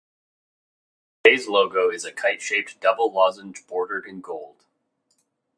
Today's logo is a kite shaped double lozenge bordered in gold.